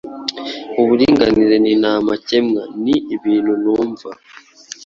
uburinganire ni ntamakemwa ni ibintu numva